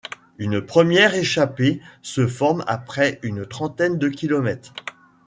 Une première échappée se forme après une trentaine de kilomètres.